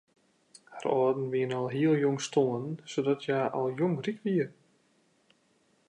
Har âlden wiene al hiel jong stoarn sadat hja al jong ryk wie.